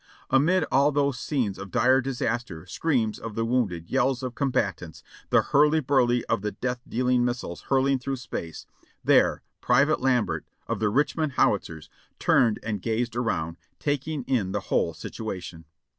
Amid all those scenes of dire disaster, screams of the wounded, yells of combatants, the hurly burly of the death dealing missiles hurling through space, there Private Lambert, of the Richmond Howitzers, turned and gazed around, taking in tlie whole situation.